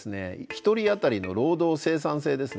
１人あたりの労働生産性ですね。